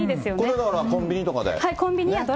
これだから、コンビニとかで。